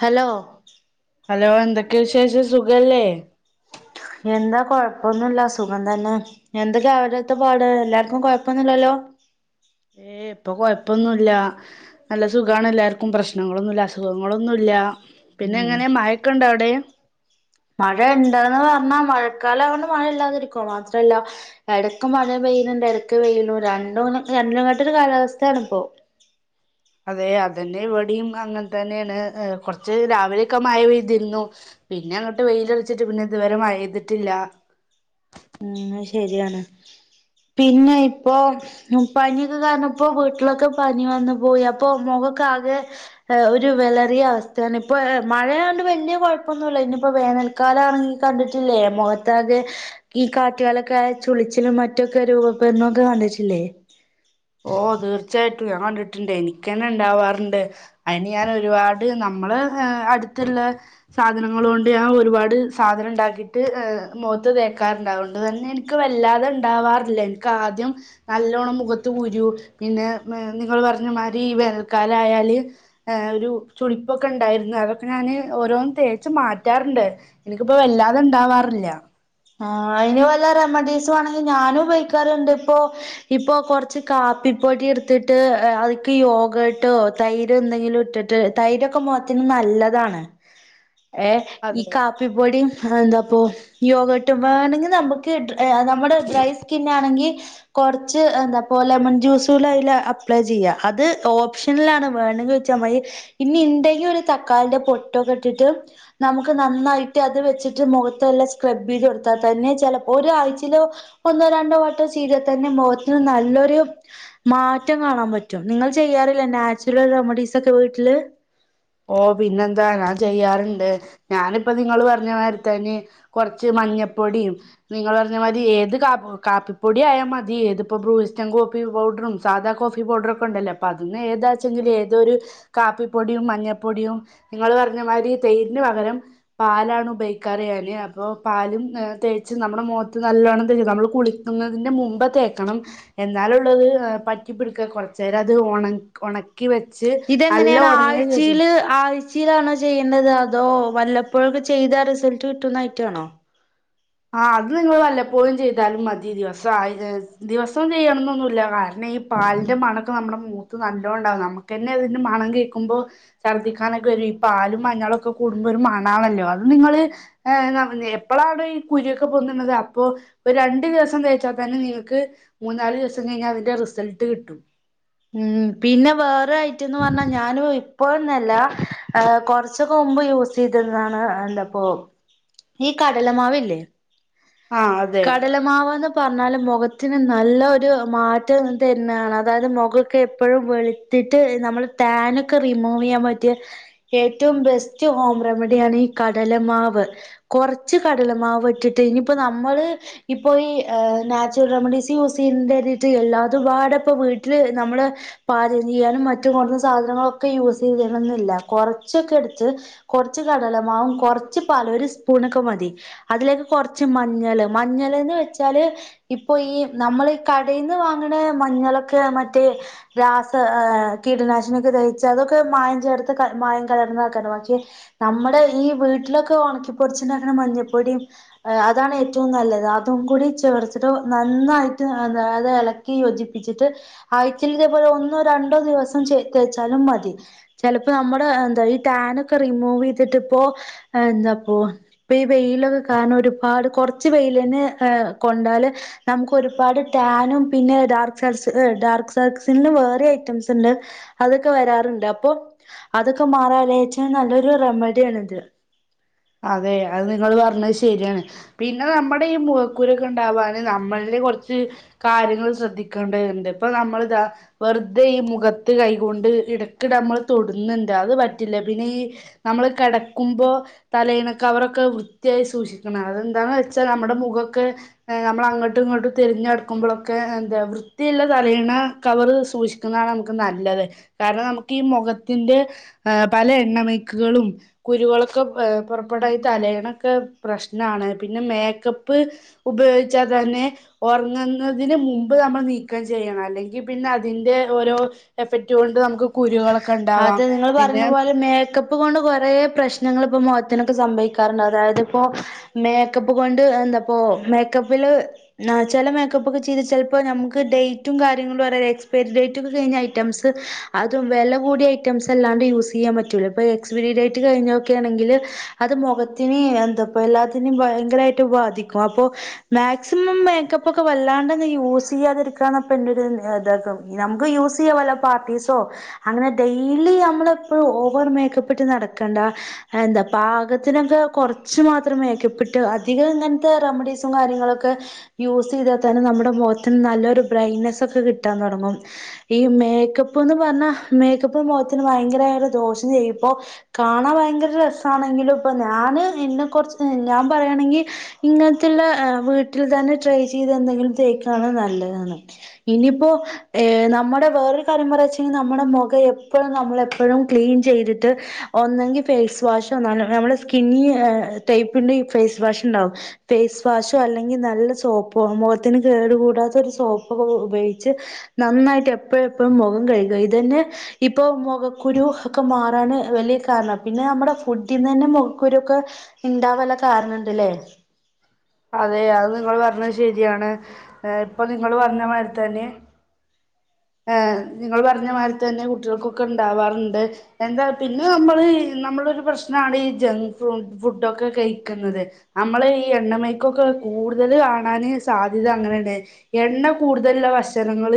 Hello hello എന്തൊക്കെ വിശേഷം സുഖല്ലേ എന്താ കൊഴപ്പൊന്നുമില്ല സുഖം തന്നെ എന്തൊക്കെയ അവടെത്തെ പാട് എല്ലാർക്കും കൊഴപ്പൊന്നുല്ലല്ലോ ഏ ഇപ്പൊ കൊഴപ്പൊന്നുല്ല നല്ല സുഖാണ് എല്ലാർക്കും പ്രശ്നങ്ങളൊന്നുല്ല അസുഖങ്ങളൊന്നുല്ല പിന്നെ ഉം എങ്ങനെ മയൊക്കണ്ട അവിടെ മഴ ഉണ്ടന്ന് പറഞ്ഞാ മഴക്കാലം ആണ്ട് മഴ ഇല്ലാതിരിക്കൊ മാത്രല്ല എടക്ക് മഴ പെയ്യുന്നുണ്ട് എടക്ക് പെയ്യുന്നു രണ്ടും രണ്ടുംങ്ങാട്ട ഒരു കാലാവസ്ഥാണ ഇപ്പോ അതെ അതന്നെ ഇവിടെയും അങ്ങനെ തന്നെണ് കുറച്ച് രാവിലൊക്കെ മഴ പെയ്തിരുന്നു പിന്നെ അങ്ങോട്ട് വെയിലളിച്ചിട്ട് പിന്നെ ഇതുവരെ മഴ ചെയ്തിട്ടില്ല ഉം ശരിയാണ് പിന്നെ ഇപ്പോ പനിയൊക്കെ കാരണപ്പോ വീട്ടിലൊക്കെ പനി വന്നു പോയി അപ്പൊ മുഖക്കാകെ ഒരു വളറിയ അവസ്ഥയാണ് ഇപ്പൊ മഴയണ്ട് വലിയ കൊഴപ്പൊന്നുമല്ല ഇനിപ്പോ വേനൽക്കാലം ആണങ്ങി കണ്ടിട്ടില്ലേ മുഖത്താകെ ഈ കാറ്റുകാലൊക്കെ ചുളിച്ചിലും മറ്റൊക്കെ രൂപപ്പെടുന്ന ഒക്കെ കണ്ടിട്ടില്ലേ ഓ തീർച്ചയായിട്ടും ഞാൻ കണ്ടിട്ടുണ്ട് എനിക്ക് തന്നെ ഇണ്ടാവാറുണ്ട് അതിന് ഞാൻ ഒരുപാട് നമ്മള അടുത്തുള്ള സാധനങ്ങൾ കൊണ്ട് ഞാൻ ഒരുപാട് സാധനം ഉണ്ടാക്കിട്ട് മുഖത്ത് തേക്കാറുണ്ട് അതുകൊണ്ട് തന്നെ എനിക്ക് വല്ലാതെ ഉണ്ടാവാറില്ല എനിക്കാദ്യം നല്ലോണം മുഖത്ത് ത്ത് കുരു പിന്നെ നിങ്ങൾ പറഞ്ഞ മാതിരി ഈ വേനൽക്കാലയാല് ഏർ ഒരു ചുളിപ്പൊക്കെ ഉണ്ടായിരുന്നു അതൊക്കെ ഞാന് ഓരോന്ന് തേച്ച് മാറ്റാറുണ്ട് എനിക്കിപ്പോ വല്ലാത ഇണ്ടാവാറില്ല ആ അയ്ന് വല്ല റെമഡീസ് വേണെങ്കിൽ ഞാനും ഉപയോഗിക്കാറുണ്ട് ഇപ്പൊ ഇപ്പൊ കൊറച്ച് കാപ്പിപ്പോടി എടുത്തിട്ട് അതിക്ക് യോഗട്ടോ തൈര് എന്തെങ്കിലും ഇട്ടിട്ട് തൈരൊക്കെ മുഖത്തിന് നല്ലതാണ് ഏ് ഈ അതെ കാപ്പിപ്പൊടിയും എന്താപ്പ യോഗ വാണെങ്കിൽ നമുക്ക് ട്ട് നമ്മുടെ ഡ്രൈ സ്കിന്നാണെങ്കിൽ കുറച്ച് എന്താപ്പ ലെമൺ ജ്യൂസ അതിൽ അപ്ലൈ ചെയ്യാം അത് ഓപ്ഷനൽണ് വേണമെങ്കിൽ വെച്ചാൽതി ഇനി ഇണ്ടെങ്കിൽ ഒരു തക്കളിന്റെ പൊട്ടൊക്കെ ഇട്ടിട്ട് നമുക്ക് നന്നായിട്ട് അത് വെച്ചിട്ട് മുഖത്തെ എല്ലാം സ്ക്രബ് ചെയ്ത് കൊടു തന്നെ ചിലപ്പോ ഒരാഴ്ചയിലോ ഒന്നോ രണ്ടോ വട്ടോ ചെയീതാൽ തന്നെ മുഖത്തിന് നല്ലൊരു മാറ്റം കാണാൻ പറ്റും നിങ്ങൾ ചെയ്യാറില്ല നാച്ചുറൽ റെമഡീസ് ഒക്കെ വീട്ടില് ഓ പിന്നെന്താ ഞാൻ ചെയ്യാറുണ്ട് ഞാനിപ്പോ നിങ്ങ പറഞ്ഞ മാതിരിത്തേന് കുറച്ച് മഞ്ഞപ്പൊടിയും നിങ്ങൾ പറഞ്ഞ മാതി ഏത് കാപ്പി കാപ്പിപ്പൊടി ആയാ മതി ഏതിപ്പോ ബ്രൂയിസ്റ്റം കോഫി പൗഡറും സാധാ കോഫി പൗഡറ ഒക്കെ ഉണ്ടല്ലേ അപ്പൊ അതിന്ന് ഏതാച്ചെങ്കിലും ഏതൊരു കാപ്പിപ്പൊടിയും മഞ്ഞ പ്പൊടിയും നിങ്ങൾ പറഞ്ഞമാതിരി തേരിന് പകരം പാലാണ് ഉപയോഗിക്കാർ ഞാന് അപ്പൊ പാലും തേച്ച് നമ്മുടെ മുഖത്ത് നല്ലവോണം തേച്ച നമ്മള് കുളിക്കുന്നതിന്റെ മുമ്പ് തേക്കണം എന്നാലള്ളത് പറ്റിപ്പിടിക്കുക കുറച്ച നേര അത്ണ ക്കി വെച്ച് നല്ല ഇതെങ്ങനെയാണ് ഉണങ്ങിയ ചോദിച്ചു ആഴ്ചയില് ആഴ്ചയിലാണോ ചെയ്യേണ്ടത് അതോ വല്ലപ്പോഴൊക്കെ ചെയ്താ റിസൾട്ട് കിട്ടുന്നായിട്ടാണോ ആ അത് നിങ്ങൾ വല്ലപ്പോഴും ചെയ്താലും മതി ദിവസം ദിവസം ചെയ്യണം എന്നൊന്നുമല്ല കാരണം ഈ പാലിന്റെ മണക്കെ നമ്മുടെ മൂത്ത് നല്ലോണ്ടാവും നമുക്ക്ന്നെ അതിന്റെ മണം കേൾക്കുമ്പോ ഛർദ്ദിക്കാനൊക്കെ വരും ഈ പാലും മഞ്ഞളുക്കെ കൂടുമ്പോ ഒരു മണാണല്ലോ അത് നിങ്ങള്ൾ ഏ എപ്പഴാണോ ഈ കുര്യൊക്കെ പൊണത് അപ്പോ ഒരു രണ്ടു ദിവസം തേച്ചാൽ തന്നെ നിങ്ങൾക്ക് മൂന്നാല് ദിവസം കഴിഞ്ഞാൽ അതിന്റെ റിസൾട്ട് കിട്ടും ഉം പിന്നെ വേ ട്ടന്ന് പറഞ്ഞാൽ ഞാനും ഇപ്പോന്നല്ല ഏ കുറച്ചു കുമ്പ് യൂസ് ചെയ്തതാണ് എന്താപ്പ ഈ കടലമാവല്ലേ ആഹ് അതെ കടലമാവന്ന പറഞ്ഞ പറല് മുഖത്തിന് നല്ലരു മാറ്റം തന്നെയാണ് അതായത് മുഖൊക്കെ എപ്പോഴും വെളുത്തിട്ട് നമ്മുടെ ടൻൊക്കെ റിമൂവ് ചെയ്യാൻ പറ്റിയ ഏറ്റവും ബെസ്റ്റ് ഹോം റെമഡിയ ആാണ് ഈ കടലമാവ് കുറച്ച് കടലമാവ് ഇട്ടിട്ട് ഇനിപ്പോ നമ്മള് ഇപ്പൊ ഈ നാച്ചുറൽ റെമഡീസ് യൂസ് ചെയ്യട്ട് എല്ലാപാട് ഇപ്പ വീട്ടിൽ നമ്മള് പാചകം ചെയ്യാനും മറ്റും കുറഞ്ഞ സാധനങ്ങളൊക്കെ യൂസ് ചെയണം എന്നില്ല കുറച്ചൊക്കെ എടുത്ത് കുറച്ച് കടലമാവും കുറച്ച് പാാല ഒരു സ്പൂണൊക്കെ മതി അതിലേക്ക് കുറച്ച് മ മഞ്ഞൾന്ന് വെച്ചാല് ഇപ്പൊ ഈ നമ്മൾ ഈ കടയിൽന്ന് വാങ്ങണ മഞ്ഞളൊക്കെ മറ്റേ രാസ കീടനാശിനിയൊക്കെ തഹച്ച് അതൊക്കെ മായം ചേർത്ത് മായം കലർന്നതാക്കാണ് പക്ഷെ നമ്മുടെ ഈ വീട്ടിലൊക്കെ ഉണക്കിപ്പൊടിച്ചിണ്ടാക്കുന്ന മഞ്ഞപ്പൊടിയും അതാണ് ഏറ്റവും നല്ലത് അതും കൂടി ചേർത്തിട്ട് നന്നായിട്ട് എന്ത അത് ഇലക്കി യോജിപ്പിച്ചിട്ട് ആഴക്കിലതേപോലെ ഒന്നോ രണ്ടോ ദിവസം തേച്ചാലും മതി ചിലപ്പോ നമ്മുടെ എന്താ ഈ ടാൻൊക്കെ റിമൂവ് ചെയ്തിട്ട ഇപ്പോ എന്താ ഇപ്പൊ ഈ വെയിലൊക്കെ കണ ാട് കുറച്ച് പെൽ തന്നെ ഏ കൊണ്ടാല് നമുക്ക് ഒരുപാട് ടാനും പിന്നെ ഡാർക്ക് സർ ഡാർക്ക് സർക്കിസിന് വേറെ ഐറ്റംസ് ഉണ്ട് അതൊക്കെ വരാറുണ്ട് അപ്പൊ അതൊക്കെ മാറാാലച്ച നല്ലൊരു റെമഡിയ ആണ ഇത് അതെ അത് നിങ്ങൾ പറഞ്ഞ ശരിയാണ് പിന്നെ നമ്മുടെ ഈ മൊഖക്കുരൊക്കെ ഉണ്ടാവാാന് നമ്മളെ കുറച്ച് കാര്യങ്ങൾ ശ്രദ്ധിക്കേണ്ടണ്ട് ഇപ്പൊ നമ്മള് ഇതാ വെറുതെ ഈ മുഖത്ത് കൈകൊണ്ട് ഇടക്ക്നമ്മൾ തൊടുന്നുണ്ട് അത് പറ്റില്ല പിന്നെ ഈ നമ്മള് കെടക്കുമ്പോ തലയിണ കവറൊക്കെ വൃത്തിയായി സൂക്ഷിക്കണം അതെന്താന്ന് വെച്ചാ നമ്മടെ മുഖക്കെ നമ്മൾ അങ്ങട്ടും ഇങ്ങട്ടും തിരഞ്ഞെടുക്കുമ്പോളക്കെ എന്താ വൃത്തിയില്ല തലയിണ കവർ സൂക്ഷിക്കുന്നതാണ് നമുക്ക് നല്ലത് കാരണം നമുക്ക് ഈ മൊഖത്തിന്റെ പല എണ്ണമേക്കുകളും കുരു ഹളൊക്കെഏ പുറപ്പെട്ടായി തലയണൊക്കെ പ്രശ്നമാണ് പിന്നെ മേക്കപ്പ് ഉപയോഗിച്ചാൽ തന്നെ ഉറങ്ങുന്നതിന് മുമ്പ് നമ്മൾ നീക്കം ചെയ്യണം അല്ലെങ്കിൽ പിന്നെ അതിന്റെ ഓരോ എഫക്റ്റ് കൊണ്ട് നമുക്ക് കുരുകളോ അതെ നിങ്ങൾ പറഞ്ഞ പോലെ മേക്കപ്പ് പ്പ് കൊണ്ട് കൊറേ പ്രശ്നങ്ങൾ ഇപ്പം മുഖത്തിനൊക്കെ സംഭവിക്കാറ്ണ്ട് അതായത് ഇപ്പോ മേക്കപ്പ് കൊണ്ട് എന്താപ്പോ മേക്കപ്പില് ന്നാ ചെല മേക്കപ്പ് ഒക്കെ ചെയ്ത് ചെല്പ്പോ നമുക്ക് ഡേറ്റും കാര്യങ്ങളും പറ എക്സ്പയരി ഡേറ്റ് ഒക്കെ കഴിഞ്ഞ ഐറ്റംസ് അതും വെല കൂടി ഐറ്റംസ് അല്ലാണ്ട് യൂസ് ചയ്യാൻ പറ്റൂല ഇപ്പൊ എക്സ് പിരി ഡേറ്റ് കഴിഞ്ഞൊക്കൊണെങ്കിൽ അത് മൊഖത്തിന് എന്തപ്പ എല്ലാത്തിനും ഭയങ്കരായിട്ട് ബാധിക്കും അപ്പൊ മാക്സിമം മേക്കപ്പ് ഒക്കെ വല്ലാണ്ടങ് യൂസ് ചെയ്യാതിരിക്കാന്നപ്പ എന്റെരു ഇത നമുക്ക് യൂസ് ചെയ്യല്ല പാർട്ടീസോ. അങ്ങനെ ഡെയിലി നമ്മള് എപ്പോഴും ഓവർ മേക്കപ്പിട്ട് നടക്കണ്ട എന്താ പാകത്തിനൊക്കെ കുറച്ച് മാത്രം മേക്കപ്പ്ഇട്ട് അധികം ഇങ്ങനത്തെ റെമഡീസും കാര്യങ്ങളൊക്കെ യൂസ് ചെയ്താൽ തന്നെ നമ്മുടെ മുഖത്തിന് നല്ലൊരു ബ്രൈറ്റ്നെസ്സ ഒക്കെ കിട്ടാൻ തുടങ്ങും ഈ മേക്കപ്പ് എന്ന് പറഞ്ഞാ മേക്കപ്പ് മുഖത്തിന് ഭയങ്കരയി ദോഷം ചെയ്യും ഇപ്പോ കാണാൻ ഭയങ്കര രസാ ണെങ്കിലും ഇപ്പൊ ഞാന് ഇന്ന കുറച്ച് ഞാൻ പറയാണെങ്കി ഇങ്ങൻത്ത്ള്ള വീട്ടിൽ തന്നെ ട്രൈ ചീയ്ത് എന്തെങ്കിലും തെക്യാണ് നല്ലതെന്ന് ഇനിയിപ്പോ എ നമ്മടെ വേറൊരു കാര്യം പറയാചങ്കിൽ നമ്മുടെ മൊഖം ക്ക എപ്പോഴും നമ്മളെപ്പോഴും ക്ലീൻ ചെയ്തിട്ട് ഒന്നെങ്കി ഫേസ് വാഷോന്നാലും നമ്മുടെ സ്കിന്ന ടൈപ്പിന്റെ ഈ ഫേസ് വാഷ് ഉണ്ടാകും ഫേസ് വാഷോ അല്ലെങ്കിൽ നല്ല സോപ്പ മുഖത്തിന് കേടു കൂടാത്ത ഒരു സോപ്പെ ഉപയോഗിച്ച് നന്നായിട്ട് എപ്പോഴും എപ്പോഴും മുഖം കഴിക്കും ഇതന്നെ ഇപ്പൊ മുഖക്കുരു ഒക്കെ മാറാണ് വലിയ കാരണം പിന്നെ നമ്മുടെ ഫുഡിൽന്ന് തന്നെ മുഖക്കുരു ഒക്കെ ഇണ്ടാവല്ല കാരണണ്ട്ല്ലേ അതെ അത് നിങ്ങൾ പറഞ്ഞത് ശരിയാണ്എ ഇപ്പൊ നിങ്ങൾ പറഞ്ഞ മായ് രിത്തന്നെ ഏ നിങ്ങൾ പറഞ്ഞ മായ്രി തന്നെ കുട്ട്യേൾക്കൊക്കെ ഉണ്ടാവാറുണ്ട് എന്താ പിന്നെ നമ്മള് നമ്മളൊരു പ്രശ്നാണ് ഈ ജങ്ക് ഫ്രു ഫുഡൊക്കെ കഴിക്കപന്നത് നമ്മള് ഈ എണ്ണമയക്കൊക്കെ കൂടുതൽ കാണാന് സാധ്യത അങ്ങനെണ്ട് എണ്ണ കൂടുതല്ള്ള ഭക്ഷണങ്ങൾ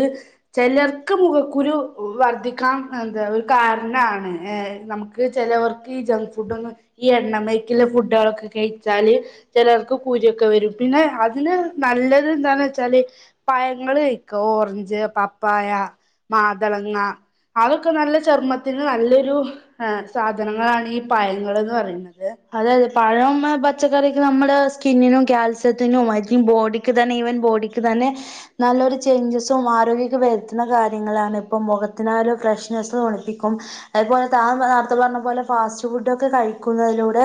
ചെലർക്ക് മുഖക്കുരു വർധിക്കാം എന്താ ഒരു കാരണമാണ് എ നമുക്ക് ചെലവർക്ക് ഈ ജങ്ക് ഫുഡൊന്നും ഈ എണ്ണ മേക്കില ഫുഡുകളൊക്കെ കഴിച്ചാല് ചെലർക്ക് കുരുയൊക്കെ വരും പിന്നെ അതിന് നല്ലത് എന്താന്ന് വെച്ചാല് പഴങ്ങൾ കഴിക ഓറഞ്ച്പ്പ പ്പായ മാതളങ്ങ അതൊക്കെ നല്ല ചർമ്മത്തിന് നല്ലൊരു എ സാധനങ്ങളാണ് ഈ പായങ്ങന്ന് പറയുന്നത് അതെ അതെ പഴം ഉം പച്ചക്കറിക്ക് നമ്മള് സ്കിന്നിനും കാൽസ്യത്തിനും ഐതിങ്ക് ബോഡിക്ക് തന്നെ ഈവൻ ബോഡിക്ക് തന്നെ നല്ലൊരു ചൈഞ്ചസും ആരോഗ്യക്കെ വരുത്തുന്ന കാര്യങ്ങളാണ് ഇപ്പം മൊഖത്തിനായാലും ഫ്രഷ്നെസ് തുണിപ്പിക്കും അതുപോലെ താ നേരത്തെ പറഞ്ഞ പോലെ ഫാസ്റ്റ് ഫുഡ് ഒക്കെ കഴിക്കുന്നതിലൂടെ ദ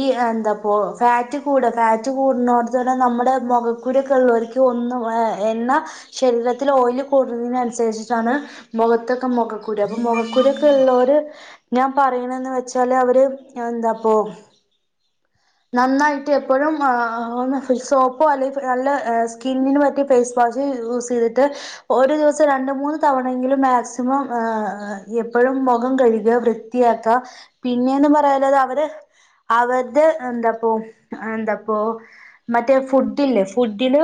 ഈ എന്താപ്പോ ഫാറ്റ് കൂട ഫാറ്റ് കൂടുന്നോട്ത്ത [unintelligible] തന്ന നമ്മടെ മൊഖക്കുരൊക്കെ ഇള്ളോ ൽക്ക് ഒന്നും എ എണ്ണ ശരീരത്തിൽ ഓയില് കൂടുന്നതിന നുസരിച്ചിട്ടാണ് മൊഖത്തൊക്കെ മൊഖക്കൂരു അപ്പൊ മുഖക്കുരൊക്കെ ഉള്ളോര് ഞാൻ പറയണന്ന് വെച്ചാല് അവര് എന്താ പ്പോ നന്നായിട്ട് എപ്പോഴും അ ഒന്ന് ഫി സോപ്പോ അല്ലെങ്കിൽ നല്ല സ്കിന്നിന് പറ്റി ഫേസ് വാഷ് യൂസ് ചെയ്തിട്ട് ഒരു ദിവസം രണ്ട മൂന്ന് തവണയെങ്കിലും മാക്സിമം ഏ എപ്പോഴും മുഖം കഴുക വൃത്തിയാക പിന്നെയന്ന് പറയലത് അവര് അവരുടെ എന്താപ്പ എന്താപ്പോ മറ്റേ ഫുഡില്ലേ ഫുഡില്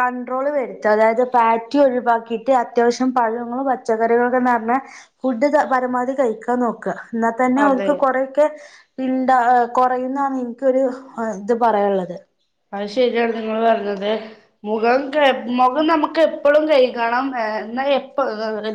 കൺണ്ട്രോള് വെ രുത്ത അതായത് പാറ്റി ഒഴിവാക്കിയിട്ട് അത്യാവശ്യം പഴങ്ങളും പച്ചക്കറികളും [unintelligible] നറ ഞ്ഞ ഫുഡ് പരമാവധി കഴിക്കാൻ നോക്ക ന്ന തന്നെ അതെ ഓല്ക്ക് കൊറെക്കെ ഉണ്ടഅ കുറയുന്ന എനിക്കൊരു ഇത് പറയാനുള്ളത് അത് ശരിയാണ് നിങ്ങൾ പറഞ്ഞത് മുഖം കൈ മുഖം നമുക്ക് എപ്പോഴും കഴിക്കണം ഏ എന്നാൽ എപ്പ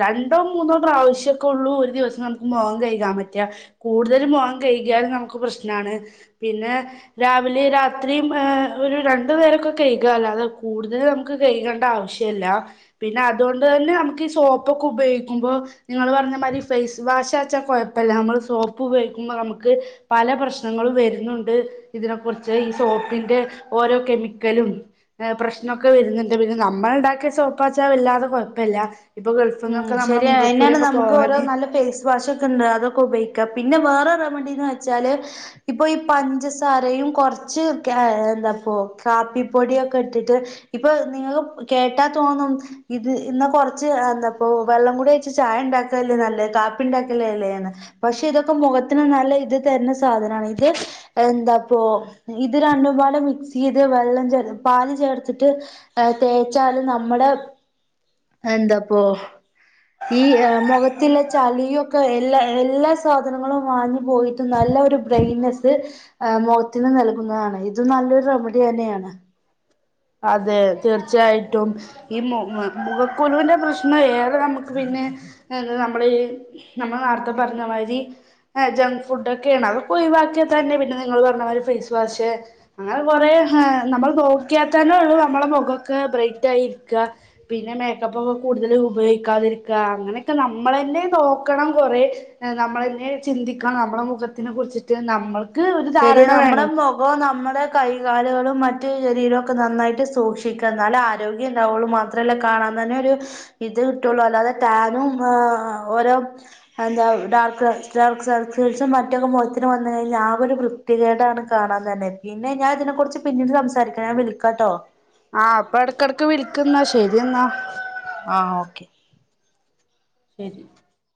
രണ്ടോ മൂന്നോ പ്രാവശ്യൊക്കെ ഉള്ളൂ ഒരു ദിവസം നമുക്ക് മുഖം കഴിക്കാൻ പറ്റാ കൂടുതൽ മുഖം കഴുകിയാലും നമുക്ക് പ്രശ്നമാണ് പിന്നെ രാവിലെ രാത്രി ഏ ഒരു രണ്ടു നേരൊക്കെ കഴുക അതല്ലാതെ കൂടുതലു നമുക്ക് കഴുകേണ്ട ആവശ്യല്ല പിന്നെ അതോണ്ടന്നെ നമുക്ക് ഈ സോപ്പൊക്കെ ഉപയോഗിക്കുമ്പോ നിങ്ങൾ പറഞ്ഞ മായ്രി ഫേസ് വാഷ് വച്ച കൊഴപ്പില്ല നമ്മൾ സോപ്പ് ഉപയോഗിക്കുമ്പോ നമുക്ക് പല പ്രശ്നങ്ങളും വരുന്നുണ്ട് ഇതിനെ കുറിച്ച് ഈ സോപ്പിന്റെ ഓരോ കെമിക്കലുംഎ പ്രശ്നക്കെ വരുന്നുണ്ട് പിന്നെ നമ്മൾ ഉണ്ടാക്കിയ സോപ്പാച വല്ലാതെ കുഴപ്പല്ല ഇപ്പൊ ഉം ഗൾഫിൽന്നൊക്കെ നമ്മളെ ശരിയ അയിനാണ് മുഖക്കുരൊക്കെ നമുക്ക് ഓരോ പോവാന് നല്ല ഫേസ് വാഷ് ഒക്കെ ഉണ്ട് അതൊക്കെ ഉപയോ പിന്നെ വേറെ റെമഡിന്ന് വെച്ചാല് എ ഇപ്പൊ ഈ പഞ്ചസാരയും കുറച്ച് ക്യാ എന്താപോ കാപ്പിപ്പൊടിയോ ക്കെ ഇട്ടിട്ട് ഇപ്പൊ നിങ്ങള്ളുംകേട്ടാ തോന്നും ഇത് ഇന്ന് കൊറച്ച് എന്താ അപ്പൊ വെള്ളം കൂടി ഒയിച് ചായ ഇ ണ്ടാക്കല്ലേ നല്ലേ കാപ്പി ഉണ്ടാക്കല്ലേ അല്ലേന്ന് പക്ഷെ ഇതൊക്കെ മുഖത്തിന് നല്ല ഇത് തരുന്ന സാധനാ ണ് ഇത് എന്തപ്പോ ഇത് രണ്ടുംപാടെ മിക്സ് ചെയ്ത് വെള്ളം ചേ പാല് ചേർത്തിട്ട് തേച്ചാല് നമ്മുടെ എന്താപ്പ ഇ മുഖത്തിലേ ചളിയൊക്കെ എ എല്ലാ സാധനങ്ങളും വാങ്ങി പോയിട്ട് നല്ല ഒരു ബ്രെൻനെസ്സ് ആ മുഖത്തിന് നൽകുന്നതാണ് ഇത് നല്ലൊരു റെമഡി തന്നെയാണ് അതെ തീർച്ചയായിട്ടും ഈ മുമു ഖക്കു രൂന്റെ പ്രശ്നം ഏറെ നമക്ക് പിന്നെ എ നമ്മൾ ഇ നമ്മൾ നേര്ത്തെ പറഞ്ഞ മാതിരി ജങ്ക് ഫുഡ ഒക്കെയണ് അതൊക്കെ ഒഴിവാക്കിയാൽ തന്നെ പിന്നെ നമ്മൾ ഇ നമ്മള് നേര് െത്ത പറഞ്ഞമായ്രി ഫേസ് വാഷ് അങ്ങനെ കൊറെ എ നമ്മൾ നോക്കിയാ തന്നെ ഉള്ളൂ നമ്മളുടെ മുഖൊക്കെ ബ്രൈറ്റ് ആയിരിക പിന്നെ മേക്കപ്പ് ഒക്കെ കൂടുതല് ഉപയോഗിക്കാതിരിക അങ്ങനെയൊക്കെ നമ്മളെന്നെ നോക്കണം കൊറേ എ നമ്മളെന്നെ ചിന്തിക്കണം നമ്മളെ മുഖത്തിനെ കുറിച്ചിട്ട് നമ്മൾ ശരിയ നമ്മുടെ മുഖോ നമ്മുടെ കൈ കാലുകളും മറ്റു ശരീരവും ഒക്കെ നന്നായിട്ട് സൂക്ഷിക്ക എന്നാലെ ആരോഗ്യം ഉണ്ടാവോള്ളു മാത്രല്ല കാണാൻ തന്നെ ഒരു ഇത് കിട്ടുള്ളൂ അല്ലാതെ താനും ഒ ഓരോ എന്താ ഡാർക്ക് ഡാർക്ക് സർക്കിൾസും മറ്റൊക്കെ മൊഖത്തിന് വന്ന് കഴിഞ്ഞാൽ ആ ഒരു വൃത്തികേടാണ് കാണാൻ തന്നെ പിന്നെ ഞാൻ ഇതിനെ കുറിച്ച് പിന്നീട് സംസാരിക്കാം ഞാൻ വിളിക്കാട്ടോ ആഹ് ഇപ്പൊ എടക്കടക്ക് വിളിക്ന്നാ ശരിയെന്നാ ആഹ് ഓക്കെ ശരി